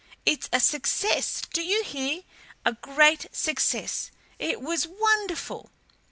It's a success, do you hear? a great success! It was wonderful!"